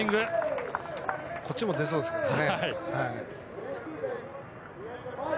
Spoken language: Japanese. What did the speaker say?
こっちも出そうですね。